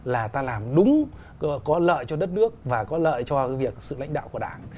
là ta làm đúng có lợi cho đất nước và có lợi cho việc sự lãnh đạo của đảng